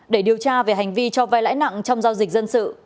để điều tra về hành vi cho vai lãi nặng trong giao dịch dân sự